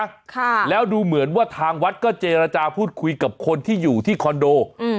ค่ะแล้วดูเหมือนว่าทางวัดก็เจรจาพูดคุยกับคนที่อยู่ที่คอนโดอืม